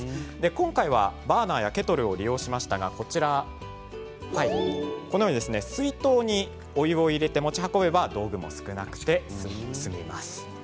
今回はバーナーやケトルを利用しましたが水筒にお湯を入れて持ち運べば道具も少なくて済みます。